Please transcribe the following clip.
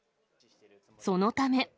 そのため。